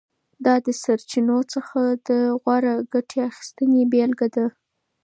دا د سرچینو څخه د غوره ګټې اخیستنې بېلګه ده.